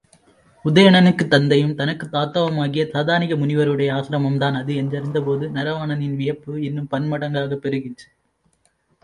உதயணனுக்குத் தந்தையும் தனக்குத் தாத்தாவுமாகிய சதானிக முனிவருடைய ஆசிரமம்தான் அது என்றறிந்தபோது நரவாணனின் வியப்பு இன்னும் பன்மடங்காகப் பெருகிற்று.